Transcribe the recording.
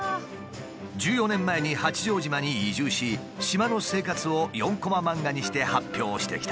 １４年前に八丈島に移住し島の生活を４コマ漫画にして発表してきた。